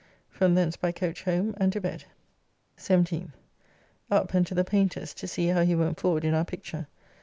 From thence by coach home, and to bed. 17th. Up and to the Paynter's to see how he went forward in our picture.